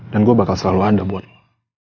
dan gue bakal selalu ada buat lo